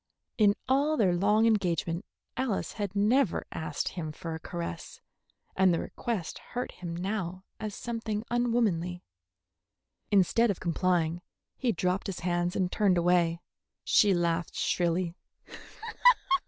In all their long engagement Alice had never asked him for a caress, and the request hurt him now as something unwomanly. Instead of complying, he dropped his hands and turned away. She laughed shrilly.